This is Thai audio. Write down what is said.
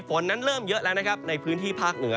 ฝนนั้นเริ่มเยอะแล้วนะครับในพื้นที่ภาคเหนือ